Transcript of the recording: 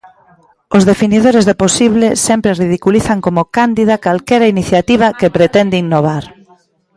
Os definidores do posible sempre ridiculizan como cándida calquera iniciativa que pretende innovar.